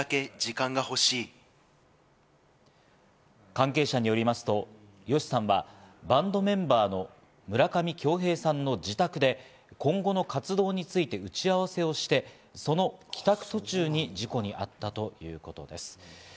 関係者によりますとＹＯＳＨＩさんは、バンドメンバーの村上恭平さんの自宅で今後の活動について打ち合わせをして、その帰宅途中に事故に遭ったということです。